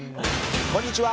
こんにちは。